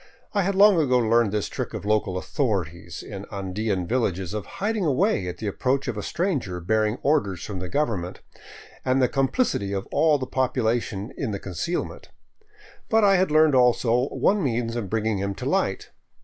I had long ago learned this trick af local " authorities " in Andean villages of hiding away at the approach of a stranger bearing orders from the government, and the complicity of all the population in the concealment. But I had learned, also, one means of bringing him to light.